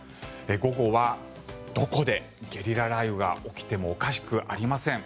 午後はどこでゲリラ雷雨が起きてもおかしくありません。